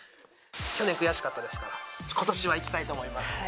去年悔しかったですから今年はいきたいと思います